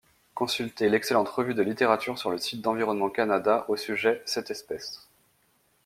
Consultez l'excellente revue de littérature sur le site d'Environnement Canada au sujet cette espèce.